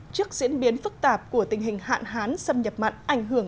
trước diễn biến phức tạp của tình hình hạn hán xâm nhập mặn ảnh hưởng